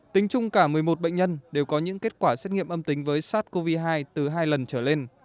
tính chung cả một mươi một bệnh nhân đều có những kết quả xét nghiệm âm tính với sars cov hai từ hai lần trở lên